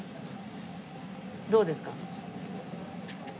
どうですか？